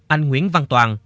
anh nguyễn văn toàn